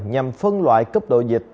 nhằm phân loại cấp độ dịch